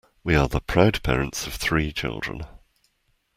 We are the proud parents of three children.